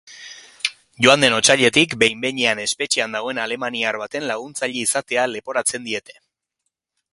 Joan den otsailetik behin-behinean espetxean dagoen alemaniar baten laguntzaile izatea leporatzen diete.